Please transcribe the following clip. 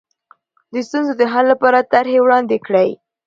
د ستونزو د حل لپاره طرحې وړاندې کړئ.